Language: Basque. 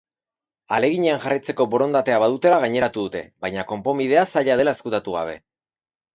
Ahaleginean jarraitzeko borondatea badutela gaineratu dute, baina konponbidea zaila dela ezkutatu gabe.